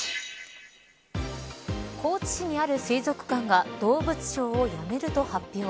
高知市にある水族館が動物ショーをやめると発表。